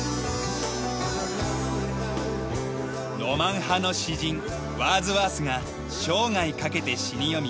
ロマン派の詩人ワーズワースが生涯かけて詩に詠み